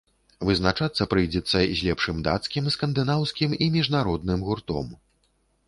Вызначацца прыйдзецца з лепшым дацкім, скандынаўскім і міжнародным гуртом.